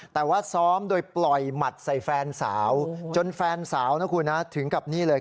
แต่ว่าซ้อมโดยปล่อยหมัดใส่แฟนสาวจนแฟนสาวนะคุณนะถึงกับนี่เลย